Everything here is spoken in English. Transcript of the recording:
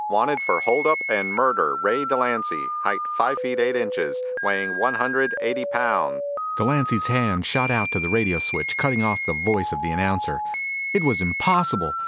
Wanted for hold up and murder, Ray Delancy, height five feet eight inches, weighing one hundred eighty pounds " Delancy's hand shot out to the radio switch, cutting off the voice of the announcer. It was impossible!